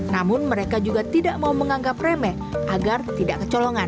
namun mereka juga tidak mau menganggap remeh agar tidak kecolongan